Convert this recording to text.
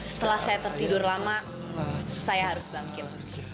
setelah saya tertidur lama saya harus bangkil